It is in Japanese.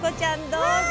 どうぞ。